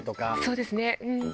そうですねうん。